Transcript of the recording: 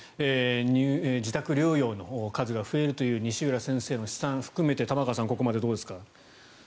自宅療養の数が増えるという西浦先生の試算を含めて玉川さん、ここまでどうですか？